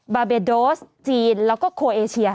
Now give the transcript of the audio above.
บาเบโดสจีนแล้วก็โคเอเชีย